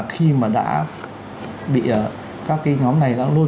khi mà đã bị các cái nhóm này đã luôn